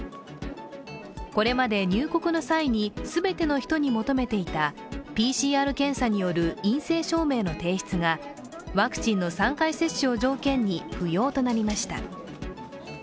これまで入国の際に、全ての人に求めていたＰＣＲ検査による陰性証明の提出がワクチンの３回接種を条件に不要となりました。